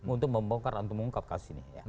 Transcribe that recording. untuk membongkar untuk mengungkap kasus ini ya